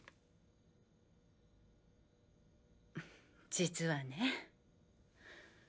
実はね